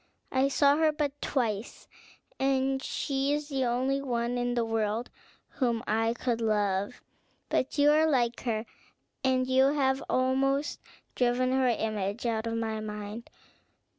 I saw her but twice, and she is the only one in the world whom I could love; but you are like her, and you have almost driven her image out of my mind.